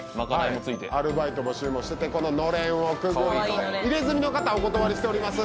アルバイト募集もしててこののれんをくぐると入れ墨の方お断りしております